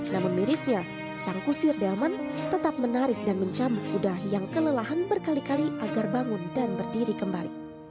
namun mirisnya sang kusir delman tetap menarik dan mencambuk kuda yang kelelahan berkali kali agar bangun dan berdiri kembali